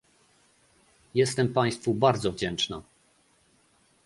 Jestem państwu bardzo wdzięczna